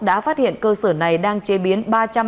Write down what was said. đã phát hiện cơ sở này đang chế biến